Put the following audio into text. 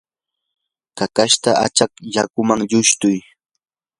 kakashta achaq yakuwan lushtuy.